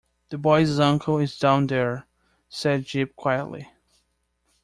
“The boy’s uncle is down there,” said Jip quietly.